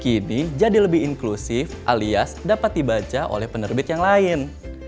kini jadi lebih inklusif alias dapat dibaca oleh penerbit yang lain